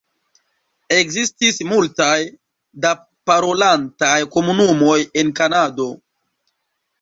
Ekzistis multaj da parolantaj komunumoj en Kanado.